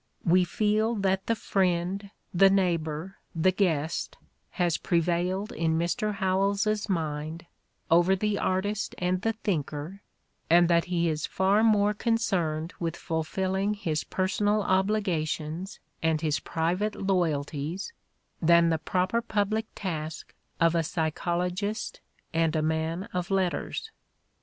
"We feel that the friend, the neighbor, the guest has prevailed in Mr. Howells 's mind over the artist and the thinker and that he is far more concerned with fulfilling his personal obligations and his private loyalties than the proper public task of a psychologist and a man of letters.